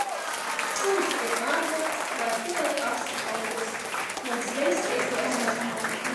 Suns ir pārkāpts, vairs tik aste palikusi. Mums viss izdosies!